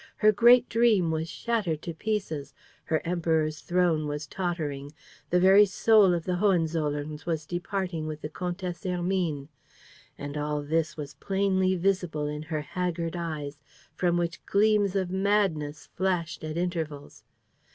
Her great dream was shattered to pieces. Her Emperor's throne was tottering. The very soul of the Hohenzollerns was departing with the Comtesse Hermine. And all this was plainly visible in her haggard eyes, from which gleams of madness flashed at intervals.